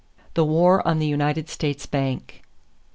=The War on the United States Bank.